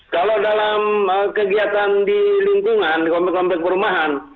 kalau dalam kegiatan di lingkungan di komplek komplek perumahan